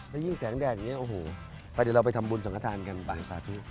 แล้วยิ่งแสงแดดอย่างนี้โอ้โหไปเดี๋ยวเราไปทำบุญสังฆฐานกันป่านสาธุ